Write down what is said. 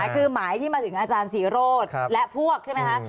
คือหมายที่มาถึงอาจารย์ศรีโรธและพวกใช่ไหมคะ